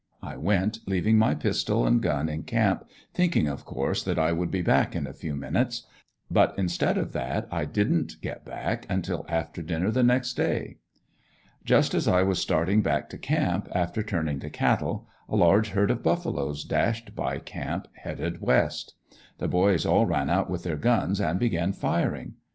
I went, leaving my pistol and gun in camp, thinking of course that I would be back in a few minutes. But instead of that I didn't get back until after dinner the next day. Just as I was starting back to camp, after turning the cattle, a large herd of buffaloes dashed by camp headed west. The boys all ran out with their guns and began firing.